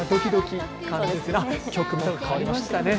曲も変わりましたね。